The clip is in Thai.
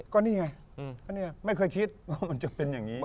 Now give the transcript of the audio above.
ก็นี่ไงไม่เคยคิดว่ามันจะเป็นอย่างนี้